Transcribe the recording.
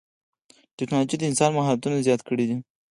ټکنالوجي د انسان مهارتونه زیات کړي دي.